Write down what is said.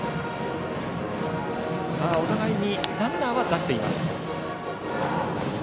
お互いにランナーは出しています。